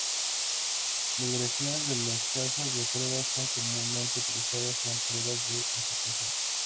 Las variaciones de los casos de prueba son comúnmente utilizados en pruebas de aceptación.